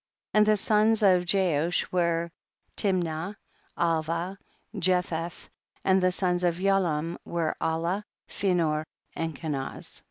24. And the sons of Jeush were Timnah, Alvah, Jetheth ; and the sons of Yaalam were Alah, Phinor and Kenaz.